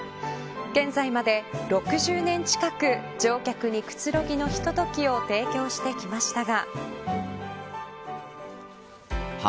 現在まで６０年近く乗客にくつろぎのひとときを提供してきましたが。